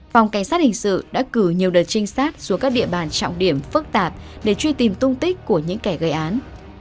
phòng cảnh sát hình sự đã cử nhiều đợt trinh sát xuống các địa bàn trọng điểm phức tạp để truy tìm tung tích của những kẻ gây án